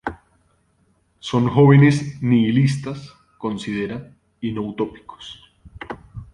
Son jóvenes "nihilistas" -considera- y no utópicos.